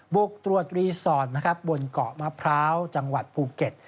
บุกตรวจรีสอร์ทนะครับบนเกาะมะพร้าวจังหวัดภูเก็ต